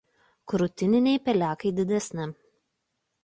Krūtininiai pelekai didesni.